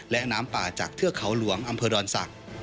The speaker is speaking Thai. และน้ำป่าจากเทือกเขาหลวงอำเภอดอนศักดิ์